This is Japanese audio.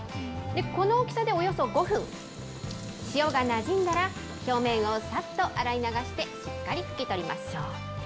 この大きさでおよそ５分、塩がなじんだら表面をさっと洗い流して、しっかりふき取りましょう。